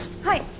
はい。